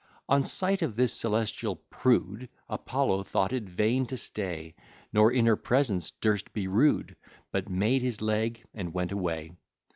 On sight of this celestial prude, Apollo thought it vain to stay; Nor in her presence durst be rude, But made his leg and went away.